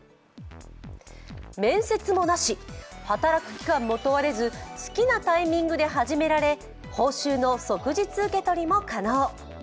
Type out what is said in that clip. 面接もなし、働く期間も問われず好きなタイミングで始められ報酬の即日受け取りも可能。